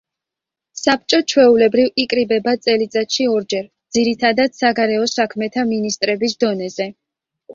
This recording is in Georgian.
საბჭო ჩვეულებრივ იკრიბება წელიწადში ორჯერ ძირითადად საგარეო საქმეთა მინისტრების დონეზე.